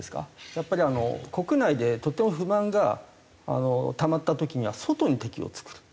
やっぱり国内でとても不満がたまった時には外に敵を作る。